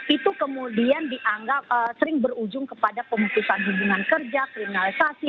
itu kemudian dianggap sering berujung kepada pemutusan hubungan kerja kriminalisasi